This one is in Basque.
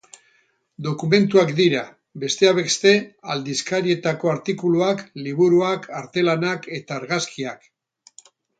Dokumentuak dira, besteak beste, aldizkarietako artikuluak, liburuak, arte-lanak eta argazkiak.